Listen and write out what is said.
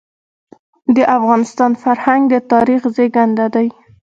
د افغانستان فرهنګ د تاریخ زېږنده دی.